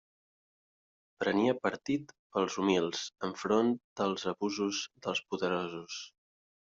Prenia partit pels humils, enfront dels abusos dels poderosos.